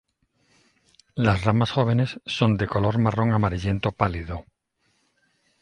Las ramas jóvenes son de color marrón amarillento pálido.